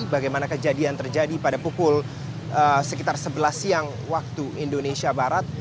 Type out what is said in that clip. bagaimana kejadian terjadi pada pukul sekitar sebelas siang waktu indonesia barat